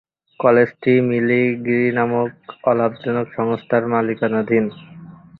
কলেজটি Millie Gary নামক অলাভজনক সংস্থার মালিকানাধীন।